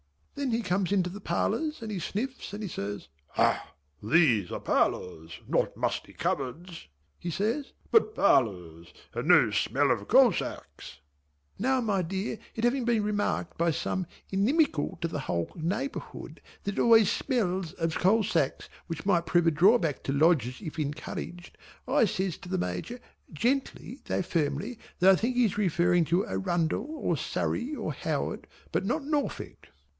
Then he comes into the parlours and he sniffs, and he says "Hah! These are parlours! Not musty cupboards" he says "but parlours, and no smell of coal sacks." Now my dear it having been remarked by some inimical to the whole neighbourhood that it always smells of coal sacks which might prove a drawback to Lodgers if encouraged, I says to the Major gently though firmly that I think he is referring to Arundel or Surrey or Howard but not Norfolk.